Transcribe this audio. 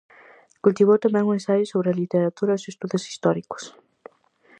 Cultivou tamén o ensaio sobre a literatura e os estudos históricos.